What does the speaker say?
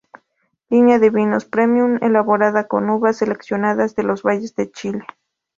Línea de vinos Premium elaborada con uvas seleccionadas de los valles de Chile.